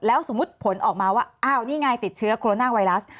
สมมุติผลออกมาว่าอ้าวนี่ไงติดเชื้อโคโรนาไวรัส